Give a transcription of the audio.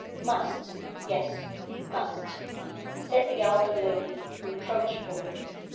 'Must yes must,' said the elder lady reproachfully.